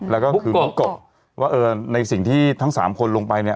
แล้วก็คือบุ๊กกบว่าในสิ่งที่ทั้ง๓คนลงไปเนี่ย